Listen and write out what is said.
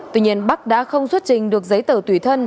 tuy nhiên bắc đã không xuất trình được giấy tờ tùy thân